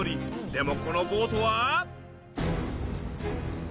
でもこのボートは。